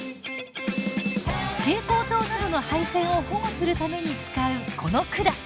蛍光灯などの配線を保護するために使うこの管。